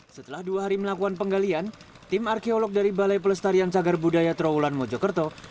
setelah dua hari melakukan penggalian tim arkeolog dari balai pelestarian cagar budaya trawulan mojokerto